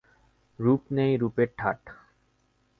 রূপ নেই, রূপের ঠাট!